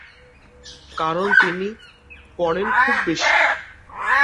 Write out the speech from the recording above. কারণ তিনি "পড়েন খুব বেশি"।